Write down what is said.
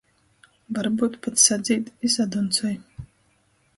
Varbyut pat sadzīd i sadoncoj.